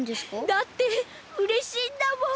だってうれしいんだもん。